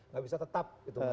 gak bisa tetap